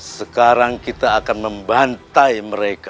sekarang kita akan membantai mereka